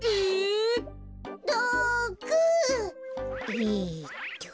６！えっと。